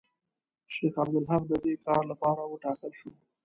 شیخ عبدالحق د دې کار لپاره وټاکل شو.